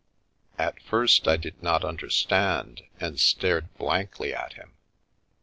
At first I did not understand, and stared blankly at him.